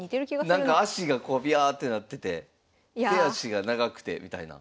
なんか足がこうびゃってなってて手足が長くてみたいな。